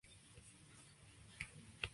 Su distribución incluye los ríos Apure y Meta.